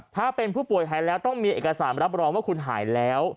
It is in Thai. ถ้าเป็นผู้ป่วยหายแล้วต้องมีเอกสารรับรองว่าคุณหายแล้ว